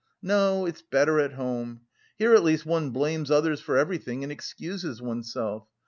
No, it's better at home. Here at least one blames others for everything and excuses oneself.